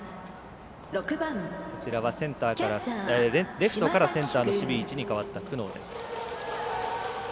レフトからセンターの守備位置に変わった久納です。